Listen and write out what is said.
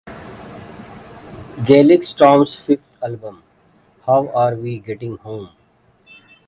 Gaelic Storm's fifth album, How Are We Getting Home?